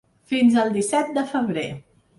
Fins al disset de febrer.